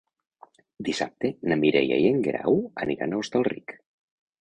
Dissabte na Mireia i en Guerau aniran a Hostalric.